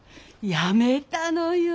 辞めたのよ。